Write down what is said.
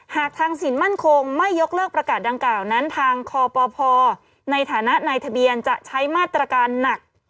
หากทางสินมั่นคงไม่ยกเลิกประกาศดังกล่าวนั้นทางคปในฐานะนายทะเบียนจะใช้มาตรการหนัก